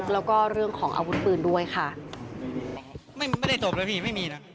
บุกรุกแล้วก็เรื่องของอาวุธปืนด้วยค่ะ